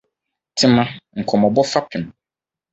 Tema — Nkɔmmɔbɔ Fapem